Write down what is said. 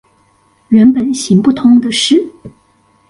原本行不通的事